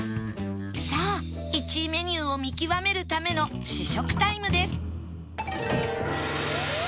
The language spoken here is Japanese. さあ１位メニューを見極めるための試食タイムです